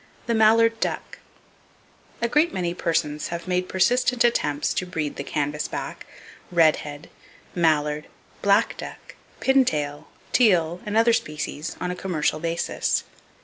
The Mallard Duck.—A great many persons have made persistent attempts to breed the canvasback, redhead, mallard, black duck, pintail, teal and other species, on a commercial basis.